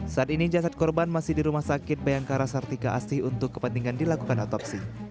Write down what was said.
saat ini jasad korban masih di rumah sakit bayangkara sartika asih untuk kepentingan dilakukan otopsi